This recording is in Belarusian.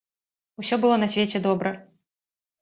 Усё было на свеце добра.